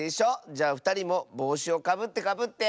じゃあふたりもぼうしをかぶってかぶって。